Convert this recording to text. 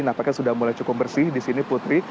nampaknya sudah mulai cukup bersih di sini putri